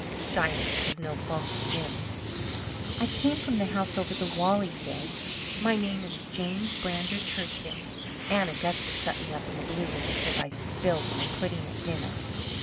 Shyness was no fault of Jims. "I came from the house over the wall," he said. "My name is James Brander Churchill. Aunt Augusta shut me up in the blue room because I spilled my pudding at dinner.